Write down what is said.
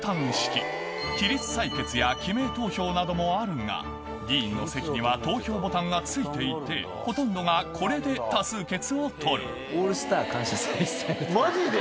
そうなどもあるが議員の席には投票ボタンが付いていてほとんどがこれで多数決を採るマジで？